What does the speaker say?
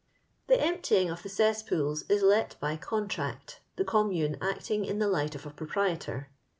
The emptying of the cessi)ools is let by con tract, the commune acting in the light of a proprietor.